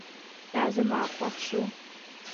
دا زما خوښ شو